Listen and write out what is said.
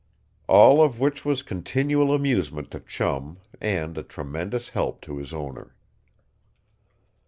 All of which was continual amusement to Chum, and a tremendous help to his owner.